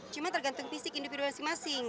cuma tergantung fisik individualisasi masing